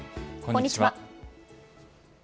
こんにちは。